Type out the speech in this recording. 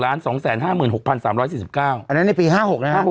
อันนั้นในปี๕๖นะฮะ